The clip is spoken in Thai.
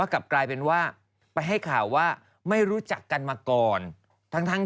กันมาก่อนทั้ง